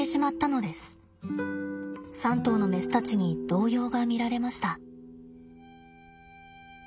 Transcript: ３頭のメスたちに動揺が見られました。